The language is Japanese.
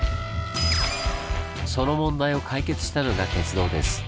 その問題を解決したのが鉄道です！